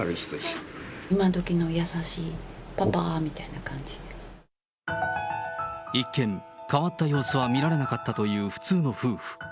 今どきの優しいパパみたいな一見、変わった様子は見られなかったという普通の夫婦。